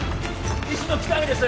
医師の喜多見です